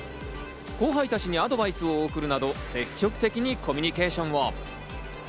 後輩たちにアドバイスを送るなど、積極的にコミュニケーションを。